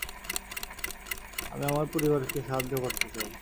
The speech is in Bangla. আমি আমার পরিবারকে সাহায্য করতে চাই।